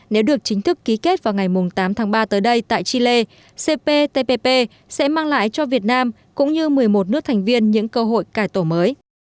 nếu được chính thức ký kết vào ngày tám tháng ba tới đây tại chile cptpp sẽ mang lại cho việt nam cũng như một mươi một nước thành viên những cơ hội cải tổ mới